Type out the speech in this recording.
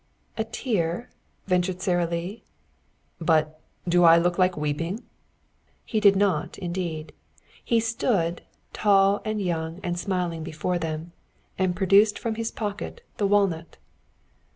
"A tear?" ventured Sara Lee. "But do I look like weeping?" He did not, indeed. He stood, tall and young and smiling before them, and produced from his pocket the walnut.